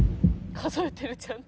「数えてるちゃんと」